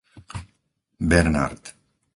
Bernard